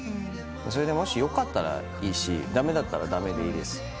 「それでもしよかったらいいし駄目だったら駄目でいいです」